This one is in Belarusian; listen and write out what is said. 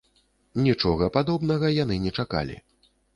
Нічога падобнага яны не чакалі.